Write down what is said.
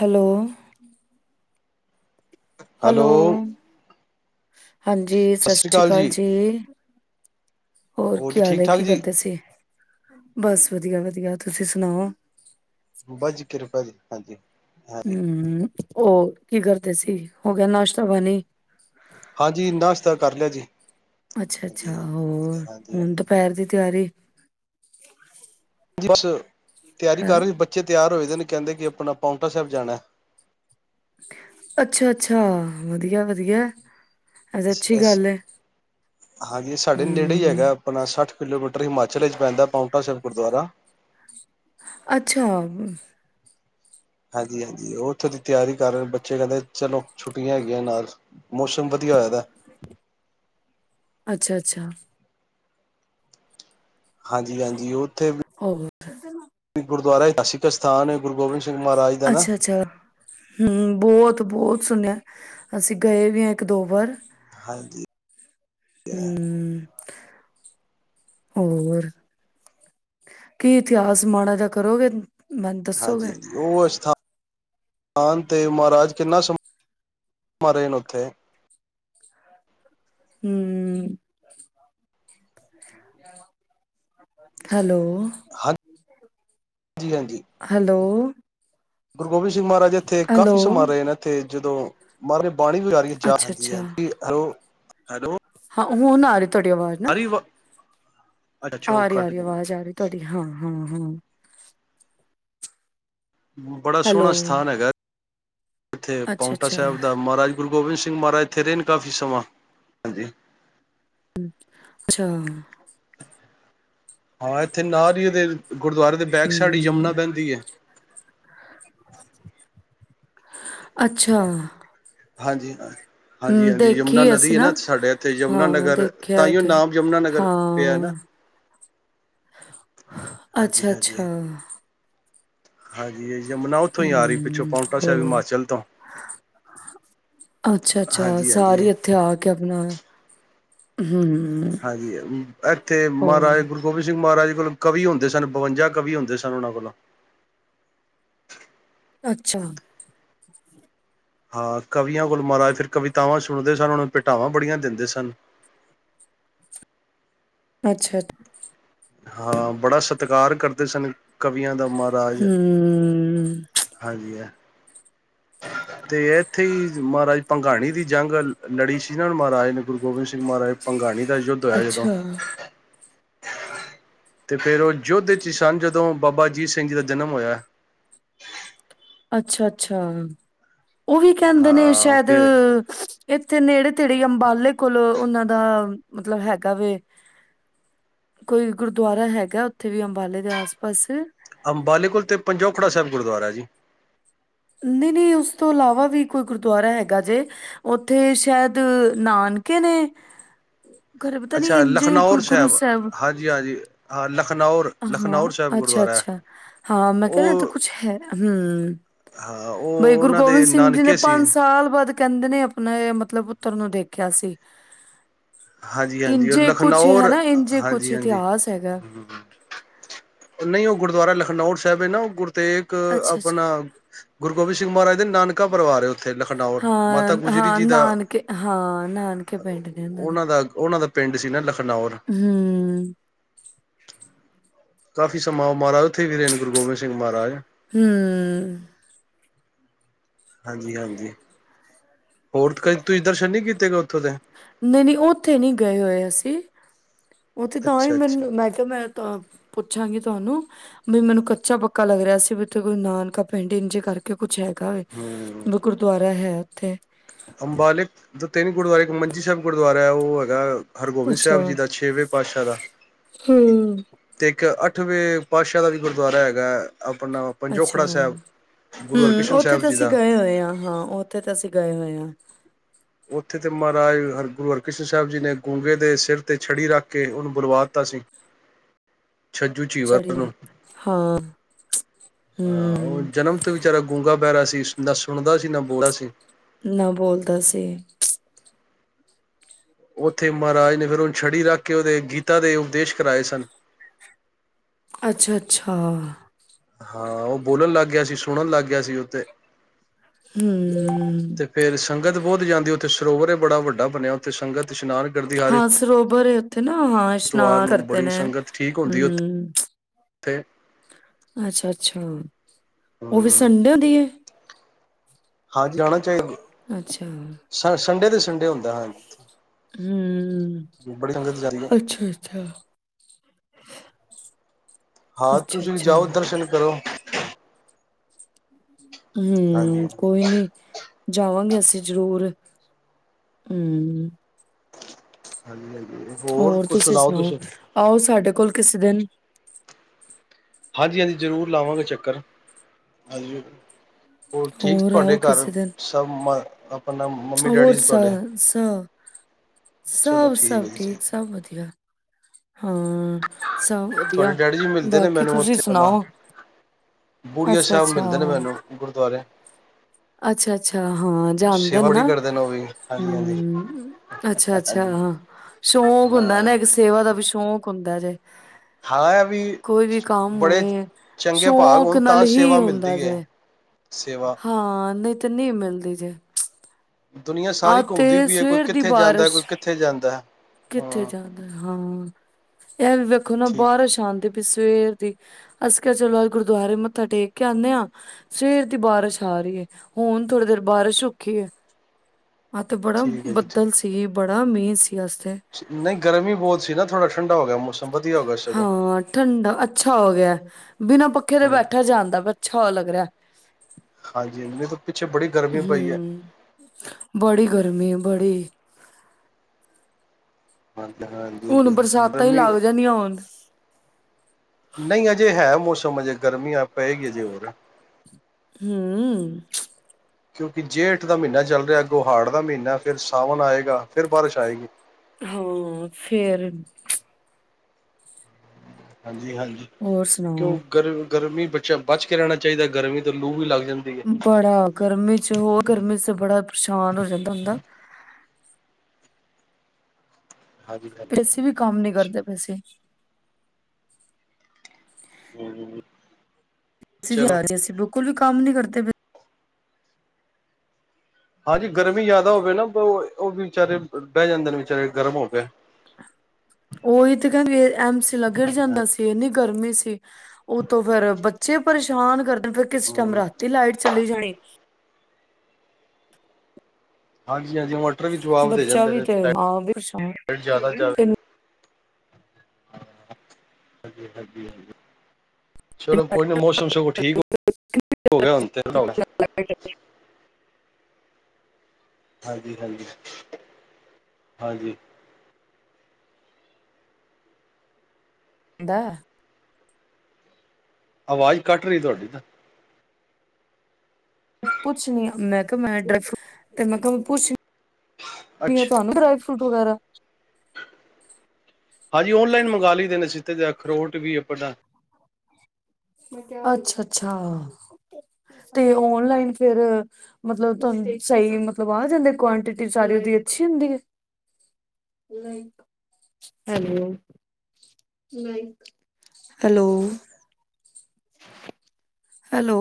Hello. Hello. ਹਾਂਜੀ, ਸਤਿ ਸ੍ਰੀ ਅਕਾਲ ਜੀ। ਹੋਰ ਜੀ ਠੀਕ ਖਿਆਲ ਠਾਕ ਕੀ ਜੀ? ਕਰਦੇ ਸੀ, ਬਸ ਵਧੀਆ-ਵਧੀਆ। ਤੁਸੀਂ ਸੁਣਾਓ? ਬਸ ਜੀ, ਕਿਰਪਾ ਜੀ, ਹਾਂਜੀ। ਹਾਂਜੀ, ਹੂੰ, ਹੋਰ ਕੀ ਕਰ ਅਸੀ ਹੋ ਗਿਆ ਨਾਸ਼ਤਾ-ਪਾਣੀ। ਹਾਂਜੀ, ਨਾਸ਼ਤਾ ਕਰ ਲਿਆ ਜੀ। ਹਾਂਜੀ, ਅੱਛਾ-ਅੱਛਾ, ਹਾਂਜੀ, ਹੋਰ ਹਾਂਜੀ, ਹਾਂਜੀ। ਹੁਣ ਦੁਪਹਿਰ ਦੀ ਤਿਆਰੀ। [inaudible] ਬੱਸ। ਤਿਆਰੀ ਹੈ, ਕਰਨ ਬੱਚੇ ਤਿਆਰ ਹੋਏਦੇ ਨੇ ਕਹਿੰਦੇ ਕਿ ਆਪਣਾ ਪਾਊਂਟਾ ਸਾਹਿਬ ਜਾਣਾ। ਅੱਛਾ-ਅੱਛਾ ਵਧੀਆ-ਵਧੀਆ। ਹਾਂਜੀ, ਸਾਡੇ ਨੇੜੇ ਹੀ ਹਮ ਹੈਗਾ ਆਪਣਾ ਸੱਠ ਕਿਲੋਮੀਟਰ। ਹਿਮਾਚਲ ਵਿੱਚ ਪੈਂਦਾ, ਪਾਊਂਟਾ ਸਾਹਿਬ ਗੁਰਦੁਆਰਾ। ਅੱਛਾ। ਹਾਂਜੀ-ਹਾਂਜੀ, ਉਹ ਉੱਥੋਂ ਦੀ ਤਿਆਰੀ ਕਰ ਰਹੇ ਬੱਚੇ ਕਹਿੰਦੇ ਚਲੋ ਛੁੱਟੀਆਂ ਹੈਗੀਆਂ ਨਾਲ ਮੌਸਮ ਵਧੀਆ ਹੋਆਦਾ। ਅੱਛਾ-ਅੱਛਾ। ਹਾਂਜੀ-ਹਾਂਜੀ ਉਹ ਹੋਰ। ਗੁਰਦੁਆਰਾ ਏਤਿਹਾਸਿਕ ਅਸਥਾਨ ਅੱਛਾ-ਅੱਛਾ ਹੂੰ ਬਹੁਤ-ਬਹੁਤ ਸੁਣਿਆ ਅਸੀਂ ਗਏ ਵੀ ਹਾਂ ਇੱਕ-ਦੋ ਵਾਰ। ਹਾਂਜੀ। [unintelligible] ਹਮ ਹੋਰ, ਕੀ ਇਤਿਹਾਸ ਮਾੜਾ ਜਿਹਾ ਕਰੋਗੇ? ਮੈਨੂੰ ਦੱਸੋਗੇ ਹਾਂਜੀ-ਹਾਂਜੀ, ਉਹ ਸਥਾਨ ਆਨ ਤੇ ਮਹਾਰਾਜ ਕਿੰਨਾ ਸਮਾ ਰਹੇ ਨੇ ਉੱਥੇ ਹੂੰ ਹੈਲੋ। ਹਾਂਨ ਹੈਲੋ। ਗੁਰੂ ਗੋਬਿੰਦ ਸਿੰਘ ਮਹਾਰਾਜ ਇੱਥੇ ਹੈਲੋ ਕਾਫੀ ਸਮਾ ਰਹੇ ਨੇ ਇੱਥੇ ਜਦੋਂ ਮਰ ਬਾਣੀ ਵੀ ਅੱਛਾ [unintelligible] ਅੱਛਾ ਹੈਲੋ ਉਹ ਨਾ ਰਹੇ ਤੁਹਾਡੀ ਆਵਾਜ਼ ਨਾ ਅਰੀ ਅੱਛਾ ਉਹ ਆ ਰਹੀ ਆ ਕੱਟ ਰਹੀ ਗਈ ਆਵਾਜ਼ ਆ ਰਹੀ ਤੁਹਾਡੀ ਹਾਂ-ਹਾਂ। ਹੂੰ ਬੜਾ ਸੋਹਣਾ ਸਥਾਨ ਹੈਗਾ। ਇੱਥੇ ਅੱਛਾ ਪਾਉਂਟਾ ਅੱਛਾ ਸਾਹਿਬ ਦਾ ਮਹਾਰਾਜ ਗੁਰੂ ਗੋਬਿੰਦ ਸਿੰਘ ਮਹਾਰਾਜ ਇੱਥੇ ਰਹੇ ਨੇ ਕਾਫੀ ਸਮਾਂ, ਹਾਂਜੀ। ਹੂੰ ਅੱਛਾ ਹਾਂ ਇੱਥੇ ਨਾਲ ਹੀ ਇਹਦੇ ਗੁਰਦੁਆਰੇ ਦੇ ਬੈਗ ਸਾਈਡ ਈ ਯਮੁਨਾ ਹਮ ਬਹਿੰਦੀ ਐ। ਅੱਛਾ ਹਾਂਜੀ ਹਾਂ ਹਾਂਜੀ ਹੂੰ ਹਾਂਜੀ ਦੇਖੀ ਯਮੁਨਾ ਨਦੀ ਅਸੀਂ ਹੈ ਨਾ, ਸਾਡੇ ਇੱਥੇ ਯਮੁਨਾ ਹਾਂ ਨਗਰ ਦੇਖਿਆ ਤਾਂਹੀਓ ਉਥੇ ਨਾਮ ਯਮੁਨਾ ਨਗਰ ਪਿਆ ਨਾ ਹਾਂ, ਹਾਂਜੀ ਅੱਛਾ-ਅੱਛਾ। ਹਾਂਜੀ ਹਾਂਜੀ ਯਮੁਨਾ ਉੱਥੋਂ ਹੀ ਆ ਰਹੀ ਪਿੱਛੋਂ ਹੂੰ ਪਾਉਂਟਾ ਸਾਹਿਬ ਹੋਰ, ਹਿਮਾਚਲ ਤੋਂ ਅੱਛਾ-ਅੱਛਾ ਹਾਂਜੀ ਹਾਂਜੀ ਸਾਰੇ ਇੱਥੇ ਆ ਕੇ ਆਪਣਾ ਹੂੰ ਹਾਂਜੀ ਇੱਥੇ ਮਹਾਰਾਜਾ ਗੁਰੂ ਗੋਬਿੰਦ ਸਿੰਘ ਮਹਾਰਾਜ ਕੋਲ ਕਵੀ ਹੁੰਦੇ ਸਨ ਬਵੰਜਾ ਕਵੀ ਹੁੰਦੇ ਸਨ ਉਹਨਾਂ ਕੋਲੋਂ। ਅੱਛਾ ਹਾਂ ਕਵੀਆਂ ਕੋਲ ਮਹਾਰਾਜ ਫਿਰ ਕਵਿਤਾਵਾਂ ਸੁਣਦੇ ਸਨ ਓਹਨਾਂ ਨੂੰ ਭੇਟਾਵਾਂ ਬੜੀਆਂ ਦਿੰਦੇ ਸਨ। ਅੱਛਾ ਹਾਂ ਬੜਾ ਸਤਿਕਾਰ ਕਰਦੇ ਸਨ। ਕਵੀਆਂ ਦਾ ਮਹਾਰਾਜ, ਹੂੰ, ਹਾਂਜੀ ਹੈ। ਤੇ ਇੱਥੇ ਹੀ ਮਹਾਰਾਜ ਪੰੰਘਾਣੀ ਦੀ ਜੰਗ ਲੜੀ ਸੀ ਨਾਂ ਮਹਾਰਾਜ ਨੇ ਗੁਰੂ ਗੋਬਿੰਦ ਸਿੰਘ ਮਹਾਰਾਜ ਭੰਗਾਣੀ ਦਾ ਯੁੱਧ ਹੋਇਆ ਜਦੋਂ ਅੱਛਾ, ਤੇ ਫਿਰ ਉਹ ਯੁੱਧ ਵਿੱਚ ਸਨ ਜਦੋਂ ਬਾਬਾ ਅਜੀਤ ਸਿੰਘ ਜੀ ਦਾ ਜਨਮ ਹੋਇਆ। ਅੱਛਾ-ਅੱਛਾ। ਉਹ ਵੀ ਕਹਿੰਦੇ ਨੇ ਹਾਂ ਸ਼ਾਇਦ ਫਿਰ ਇੱਥੇ ਨੇੜੇ-ਤੇੜੇ ਹੀ ਅੰਬਾਲੇ ਕੋਲ ਉਹਨਾਂ ਦਾ ਮਤਲਬ ਹੈਗਾ ਵੇ, ਕੋਈ ਗੁਰਦੁਆਰਾ ਹੈਗਾ ਉੱਥੇ ਵੀ ਅੰਬਾਲੇ ਦੇ ਆਸ-ਪਾਸ। ਅੰਬਾਲੇ ਕੋਲ ਤੇ ਪੰਜੋਖੜਾ ਸਾਹਿਬ ਗੁਰਦੁਆਰਾ ਜੀ। ਨਹੀਂ-ਨਹੀਂ ਉਸ ਤੋਂ ਇਲਾਵਾ ਵੀ ਕੋਈ ਗੁਰਦੁਆਰਾ ਹੈਗਾ ਜੇ, ਉੱਥੇ ਸ਼ਾਇਦ ਨਾਨਕੇ ਨੇ। ਘਰੇ ਪਤਾ ਨੀ ਅੱਛਾ ਇੰਝ ਕੋਈ ਲਖਨੌਰ ਗੁਰੂ ਸਾਹਿਬ ਹਾਂਜੀ-ਹਾਂਜੀ। ਹਾਂ ਲੱਖ ਹਾਂ ਅੱਛਾ-ਅੱਛਾ ਹਾਂ ਮੈਂ ਕਿਹਾ ਨਾ ਇੱਥੇ ਉਹ ਕੁਛ ਹੈ ਹੂੰ ਹਾਂ ਬਈ ਉਹ ਗੁਰੂ ਉਹਨਾਂ ਦੇ ਗੋਬਿੰਦ ਸਿੰਘ ਜੀ ਨੇ ਨਾਨਕੇ ਸੀ ਪੰਜ ਸਾਲ ਬਾਅਦ ਕਹਿੰਦੇ ਨੇ ਆਪਣੇ ਮਤਲਬ ਪੁੱਤਰ ਨੂੰ ਦੇਖਿਆ ਸੀ। ਹਾਂਜੀ ਹਾਂਜੀ ਉਹ ਇੰਝੇ ਕੁਛ ਹੀ ਲਖਨੌਰ ਹੈਨਾ ਇੰਝੇ ਕੁਛ ਹਾਂਜੀ ਹਾਂਜੀ ਇਤਿਹਾਸ ਹੈਗਾ ਨਹੀਂ ਉਹ ਗੁਰਦੁਆਰਾ ਲਖਨੌਰ ਸਾਹਿਬ ਇਹ ਨਾ ਉਹ ਤੇ ਇੱਕ ਆਪਣਾ ਅੱਛਾ-ਅੱਛਾ ਗੁਰੂ ਗੋਬਿੰਦ ਮਹਾਜ ਦੇ ਨਾਨਕਾ ਪ੍ਰਵਾਰ ਏ ਹਾਂ ਹਾਂ ਨਾਨਕੇ ਹਾਂ ਨਾਨਕੇ ਪਿੰਡ ਨੇ ਉਹਨਾਂ ਦੇ ਦਾ ਉਹਨਾਂ ਦਾ ਪਿੰਡ ਸੀ ਨਾ ਲੱਖ ਨੌਰ ਕਾਫੀ ਸਮਾਂ ਉਹ ਮਹਾਰਾਜ ਉੱਥੇ ਰਹੇ ਗੁਰੂ ਗੋਬਿੰਦ ਸਿੰਘ ਮਹਾਰਾਜ ਹੂੰ ਹਾਂਜੀ ਹਾਂਜੀ ਹੋਰ ਕਦੇ ਤੁਸੀਂ ਦਰਸ਼ਨ ਨਹੀਂ ਕੀਤੇ ਗਏ ਉੱਥੋਂ ਦੇ ਨਹੀਂ ਨਹੀਂ ਉਹ ਉੱਥੇ ਨਹੀਂ ਗਏ ਹੋਏ ਅਸੀਂ ਉਥੇ ਤਾਂ ਹੀ ਅੱਛਾ ਅੱਛਾ ਮੈਨੂੰ ਮੈਂ ਕਿਹਾ ਮੈਂ ਪੁੱਛਾਂਗੀ। ਤੁਹਾਨੂੰ ਵੀ ਮੈਨੂੰ ਕੱਚਾ ਪੱਕਾ ਲੱਗ ਰਿਹਾ ਸੀ ਵੀ ਉਥੇ ਕੋਈ ਨਾਨਕਾ ਪਿੰਡ ਇੰਝੇ ਕਰਕੇ ਕੁਛ ਹੈਗਾ ਹੈ ਗੁਰਦੁਆਰਾ ਹੈ। ਉਥੇ ਅੰਬਾਲਿਕ ਜੋ ਤਿੰਨ ਗੁਰਦੁਆਰੇ ਇੱਕ ਮੰਜੀ ਸਾਹਿਬ ਗੁਰਦੁਆਰਾ ਹੈ ਉਹ ਹੈਗਾ। ਹਰਗੋਬਿੰਦ ਅੱਛਾ ਸਾਹਿਬ ਜੀ ਦਾ ਛੇਵੇਂ ਪਾਤਸ਼ਾਹ ਦਾ ਹੂੰ ਤੇ ਇੱਕ ਅੱਠ ਅੱਠਵੇਂ ਪਾਤਸ਼ਾਹ ਦਾ ਵੀ ਗੁਰਦੁਆਰਾ ਹੈਗਾ ਆਪਣਾ ਅੱਛਾ ਪੰਜੋਖੜਾ ਸਾਹਿਬ ਗੁਰੂ ਹੂੰ ਹਰਕ੍ਰਿਸ਼ਨ ਉੱਥੇ ਸਾਹਿਬ ਤਾਂ ਜੀ ਅਸੀਂ ਦਾ ਗਏ ਹੋਏ ਹਾਂ ਹਾਂ ਉੱਥੇ ਤਾਂ ਅਸੀਂ ਗਏ ਹੋਏ ਹਾਂ। ਉੱਥੇ ਤੇ ਮਹਾਰਾਜ ਹਰ ਗੁਰੂ ਹਰਿਕ੍ਰਿਸ਼ਨ ਸਾਹਿਬ ਜੀ ਨੇ ਗੂੰਗੇ ਦੇ ਸਿਰ ਤੇ ਛੜੀ ਰੱਖ ਕੇ ਉਹਨੂੰ ਬੁਲਵਾ ਦਿੱਤਾ ਸੀ। ਛੱਜੂ ਚੀਵਰ ਛੜੀ ਨੂੰ ਹਾਂ। ਹਾਂ ਉਹ ਹੂੰ ਜਨਮ ਤੇ ਵਿਚਾਰਾ ਗੁੰਗਾ ਬਹਿਰਾ ਸੀ ਸੁਣਦਾ ਨਾ ਬੋਲਦਾ ਸੀ ਨਾ ਬੋਲਦਾ ਸੀ ਉੱਥੇ ਮਹਾਰਾਜ ਨੇ ਫਿਰ ਉਹਨੂੰ ਛੜੀ ਰੱਖ ਕੇ ਉਹਦੇ ਗੀਤਾ ਦੇ ਉਪਦੇਸ਼ ਕਰਵਾਏ ਸਨ। ਅੱਛਾ ਅੱਛਾ ਹਾਂ ਉਹ ਬੋਲਣ ਲੱਗ ਗਿਆ ਸੀ ਸੁਣਨ ਲੱਗ ਗਿਆ ਸੀ ਉੱਥੇ ਹੂੰ। ਤੇ ਫੇਰ ਸੰਗਤ ਬਹੁਤ ਜਾਂਦੀ ਉੱਥੇ ਸਰੋਵਰ ਬੜਾ ਵੱਡਾ ਬਣਿਆ ਉੱਥੇ ਸੰਗਤ ਇਸ਼ਨਾਨ ਕਰਦੀ ਹਰ ਹਾਂ ਸਰੋਵਰ ਹੈ। ਨਾ ਐਤਵਾਰ ਇਸ਼ਨਾਨ ਨੂੰ ਕਰਦੇ ਬੜੀ ਨੇ ਹੂੰ ਤੇ ਅੱਛਾ- ਅੱਛਾ ਉਹ ਵੀ ਹੂੰ ਸੰਡੇ ਦੀ ਹੈ। ਹਾਂਜੀ ਆਣਾ ਚਾਹੀਦਾ। ਅੱਛਾ। ਸ ਸੰਡੇ ਤੇ ਸੰਡੇ ਹੁੰਦਾ ਹਾਂਜੀ। ਹੂੰ, ਜਾਂਦੀ ਹੈ ਅੱਛਾ- ਅੱਛਾ। ਹਾਂ, ਤੁਸੀਂ ਅੱਛਾ-ਅੱਛਾ। ਜਾਓ ਦਰਸ਼ਨ ਕਰੋ। [unintelligible] ਹਾਂਜੀ ਹੂੰ ਕੋਈ ਨੀ ਜਾਵਾਂਗੇ ਅਸੀਂ ਜ਼ਰੂਰ ਹੂੰ। ਹਾਂਜੀ- ਹਾਂਜੀ। ਹੋਰ ਤੁਸੀਂ ਸੁਣਾਓ, ਆਓ ਸਾਡੇ ਕੋਲ ਕਿਸ ਦਿਨ। ਹਾਂਜੀ- ਹਾਂਜੀ ਜ਼ਰੂਰ ਲਾਵਾਂਗੇ ਚੱਕਰ ਹਾਂਜੀ। ਠੀਕ ਹੋਰ ਆਓ ਤੁਹਾਡੇ ਘਰ ਕਿਸੇ ਦਿਨ ਸਭ ਮ ਆਪਣਾ ਮੰਮੀ ਹੋਰ ਡੈਡੀ ਸ ਤੁਹਾਡੇ ਸ ਚਲੋ ਸਭ ਸਭ ਹੈ ਜੀ ਠੀਕ ਸਭ ਵਧੀਆ। ਹਾਂ, ਸਭ ਤੁਹਾਡੇ ਵਧੀਆ ਡੈਡੀ ਜੀ ਮਿਲਦੇ ਨੇ ਬਾਕੀ ਮੈਨੂੰ ਤੁਸੀਂ ਉੱਥੇ ਆਪਣਾ ਸੁਣਾਓ। ਬੁੜੀਆ ਅੱਛਾ- ਸਾਹਿਬ ਅੱਛਾ ਮਿਲਦੇ ਨੇ ਮੈਨੂੰ ਗੁਰਦੁਆਰੇ ਅੱਛਾ- ਅੱਛਾ ਹਾਂ ਜਾਂਦੇ ਸੇਵਾ ਨਾ ਬੜੀ ਕਰਦੇ ਨੇ ਉਹ ਵੀ ਹਾਂਜੀ ਹਾਂਜੀ ਹੂੰ। ਅੱਛਾ- ਅੱਛਾ ਹਾਂਜੀ ਸ਼ੌਕ ਹੁੰਦਾ ਹਾਂ ਨਾ ਇੱਕ ਸੇਵਾ ਦਾ ਸ਼ੌਕ ਹੁੰਦਾ ਜੇ ਹਾਂ ਵੀ ਕੋਈ ਵੀ ਕੰਮ ਬੜੇ ਹੋਏ ਚੰਗੇ ਭਾਗ ਸ਼ੌਕ ਹੋਣ ਨਾਲ ਤਾਂ ਹੀ ਸੇਵਾ ਹੁੰਦਾ ਮਿਲਦੀ ਹੈ। ਜੇ ਸੇਵਾ ਹਾਂ, ਨਹੀਂ ਤੇ ਨਹੀਂ ਮਿਲਦੀ ਜੇ ਦੁਨੀਆਂ ਆ ਸਾਰੀ ਤੇ ਘੁੰਮਦੀ ਪਈ ਹੈ ਕੋਈ ਸਵੇਰ ਦੀ ਕਿੱਥੇ ਜਾਂਦਾ ਕੋਈ ਬਾਰਿਸ਼ ਕਿੱਥੇ ਜਾਂਦਾ। ਕਿੱਥੇ ਹਾਂ ਜਾਂਦਾ ਹਾਂ। [inaudible] ਇਹ ਵੀ ਵੇਖੋ ਨਾ ਠੀਕ ਬਾਰਸ਼ ਆਂਦੀ ਪਈ ਸੀ। ਸਵੇਰ ਦੀ ਅਸੀਂ ਕਿਹਾ ਚਲੋ ਅੱਜ ਗੁਰਦੁਆਰੇ ਮੱਥਾ ਟੇਕ ਕੇ ਆਂਦੇ ਹਾਂ, ਸਵੇਰ ਦੀ ਬਾਰਿਸ਼ ਆ ਰਹੀ ਹੈ ਹੁਣ ਥੋੜ੍ਹੀ ਦੇਰ ਬਾਰਿਸ਼ ਰੁਕੀ ਹੈ। ਅੱਜ ਤੇ ਬੜਾ ਠੀਕ ਹੈ ਜੀ ਬੱਦਲ ਸੀ। ਬੜਾ ਮੀਂਹ ਸੀ ਅੱਜ ਤੇ। ਨਹੀਂ, ਗਰਮੀ ਬਹੁਤ ਸੀ ਨਾ ਥੋੜਾ ਠੰਢਾ ਹੋ ਗਿਆ ਮੌਸਮ ਵਧੀਆ ਹੋ ਗਿਆ ਸਗੋਂ। ਹਾਂ ਠੰਡਾ ਅੱਛਾ ਹੋ ਗਿਆ ਬਿਨਾਂ ਪੱਖੇ ਦੇ ਹੂੰ ਬੈਠਾ ਜਾਂਦਾ ਬ ਅੱਛਾ ਲੱਗ ਰਿਹਾ। ਹਾਂਜੀ ਮੀਂਹ ਤੋਂ ਪਿੱਛੇ ਬੜੀ ਗਰਮੀ ਪਈ ਹੈ। ਹੂੰ ਬੜੀ ਗਰਮੀ ਬੜੀ ਹੁਣ ਹਾਂਜੀ ਬਰਸਾਤਾਂ ਹੀ ਮੰਮੀ ਲੱਗ ਜਾਣੀਆਂ ਹੁਣ ਨਹੀਂ ਅਜੇ ਹੈ ਮੌਸਮ ਤੁਮ ਅਜੇ ਗਰਮੀ ਆ ਪਏਗੀ ਅਜੇ ਹੋਰ। ਹਮ। ਕਿਉਂਕਿ ਜੇ ਹੇਠ ਦਾ ਮਹੀਨਾ ਚੱਲ ਰਿਹਾ ਗੋਹਾੜ ਦਾ ਮਹੀਨਾ ਫਿਰ ਸਾਵਣ ਆਏਗਾ ਫਿਰ ਬਾਰਿਸ਼ ਆਏਗੀ। ਹਾਂ, ਫੇਰ ਹਾਂਜੀ। ਜੀ ਹਾਂਜੀ, ਹੋਰ ਕਿਉਂ ਸੁਣਾਓ ਗਰ -ਗਰਮੀ ਬ- ਬਚ ਕੇ ਰਹਿਣਾ ਚਾਹੀਦਾ ਗਰਮੀ ਤੋਂ ਲੂ ਵੀ ਲੱਗਦਾ। ਬੜਾ ਗਰਮੀ ਚ ਹੋਰ ਗਰਮੀ ਚ ਬੜਾ ਪਰੇਸ਼ਾਨ ਹੋ ਜਾਂਦਾ ਹੁੰਦਾ। ਹਾਂਜੀ ਹਾਂਜੀ ਪੈਸੇ ਵੀ ਕੰਮ ਨੀ ਕਰਦੇ ਪੈਸੇ ਹਮ। ਚਲੋ ਅਸੀਸੀਂ ਬੁ [unintelligible] ਕੋਈ ਵੀ ਕੰਮ ਨਹੀਂ ਕਰਦੇ। ਹਾਂਜੀ ਗਰਮੀ ਜ਼ਿਆਦਾ ਹੋਵੇ ਨਾ ਉਹ ਵੀ ਵਿਚਾਰੇ ਬਹਿ ਜਾਂਦੇ ਨੇ ਵਿਚਾਰੇ ਗਰਮ ਹੋਵੇ। ਉਹੀ ਤੇ ਕਹਿੰਦੇ ਐਮ ਸੀ ਗਿਰ ਜਾਂਦਾ ਸੀ ਇੰਨੀ ਗਰਮੀ ਸੀ। ਉਹ ਤੋਂ ਫੇਰ ਬ ਬੱਚੇ ਪਰੇਸ਼ਾਨ ਕਰ ਫਿਰ ਕਿਸ ਟਾਈਮ ਰਾਤੀ ਲਾਈਟ ਚਲੀ ਜਾਣੀ। [unintelligible] ਹਾਂਜੀ - ਹਾਂਜੀ, ਮ ਬੱਚਾ ਵੀ ਤੇ ਹਾਂ [unintelligible] ਹਾਂ, ਹਜੀ -ਹਾਂਜੀ -ਹਾਂਜੀ ਚਲੋ ਕੋਈ ਨਾ ਮੌਸਮ ਸਗੋਂ ਠੀਕ, ਹੋ ਹੋ ਗਿਆ ਹੁਣ ਤੇ ਹਾਂਜੀ -ਹਾਂਜੀ -ਹਾਂਜੀ। ਦਾ ਆਵਾਜ਼ ਕੱਟ ਰਹੀ ਤੁਹਾਡੀ ਤਾਂ ਪੁੱਛ ਨ ਮੈਂ ਕਿਹਾ ਮੈਂ ਦਸ ਤੇ ਮੈਂ ਕਿਹਾ ਪੁੱਛ ਅੱਛਾ ਨ ਤੁਹਾਨੂੰ ਫੂਟ ਵਗੈਰਾ ਹਾਂਜੀ ਓਨਲਾਈਨ ਮੰਗਵਾ ਲਈ ਦੇ ਨੇ ਸੀਧੇ ਜ ਅਖਰੋਟ ਵੀ ਆਪ ਅੱਛਾ- ਅੱਛਾ ਤੇ ਓਨ ਲਈਨ ਫਿਰ, ਮਤਲਬ ਤੁਾਨ ਸਹੀ ਮਤਲਬ ਆ ਜਾਂਦੇ ਕੁਟਿਟੀ ਸਾਰੀ ਓਦੀ ਅੱਛੀ ਹੰਦੀ। ਆਲੋ ਹੈਲੋ। ਹੈਲੋ।